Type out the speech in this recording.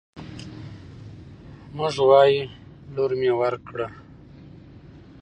موږ وايو: لور مې ورکړ